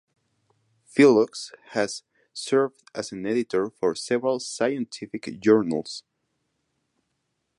Filloux has served as an editor for several scientific journals.